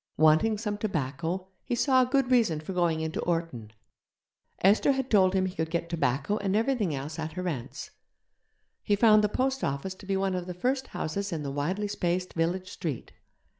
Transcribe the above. Wanting some tobacco, he saw a good reason for going into Orton. Esther had told him he could get tobacco and everything else at her aunt's. He found the post office to be one of the first houses in the widely spaced village street.